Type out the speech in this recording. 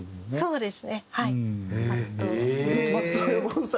そうですね。